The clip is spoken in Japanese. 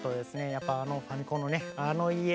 やっぱりあのファミコンのねあの家。